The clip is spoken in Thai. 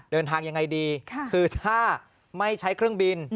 ยังไงดีคือถ้าไม่ใช้เครื่องบิน